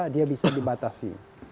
dia bisa dibatasi